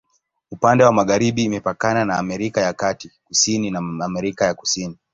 Upande wa magharibi imepakana na Amerika ya Kati, kusini na Amerika ya Kusini.